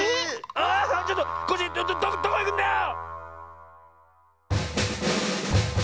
あっちょっとコッシーどこいくんだよ